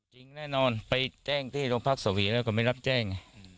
จริงแน่นอนไปแจ้งที่โรงพักษวีแล้วก็ไม่รับแจ้ง